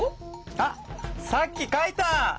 あっさっき書いた！